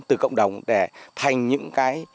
từ cộng đồng để thành những cái